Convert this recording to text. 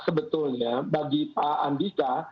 sebetulnya bagi pak andika